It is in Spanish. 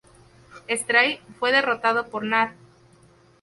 Stryfe fue derrotado por Nate.